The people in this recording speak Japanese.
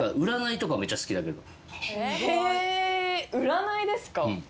へぇ占いですか。